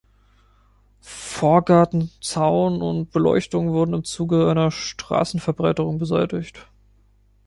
Vorgarten, Zaun und Beleuchtung wurden im Zuge einer Straßenverbreiterung beseitigt.